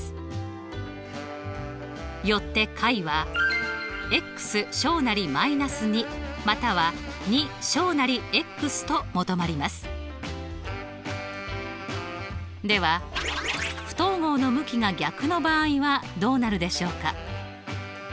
よって解は−２または２と求まりますでは不等号の向きが逆の場合はどうなるでしょうか？